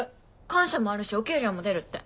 官舎もあるしお給料も出るって。